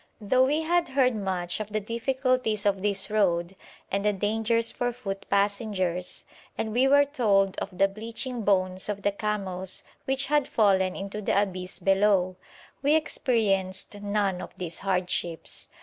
Though we had heard much of the difficulties of this road and the dangers for foot passengers, and we were told of the bleaching bones of the camels which had fallen into the abyss below, we experienced none of these hardships.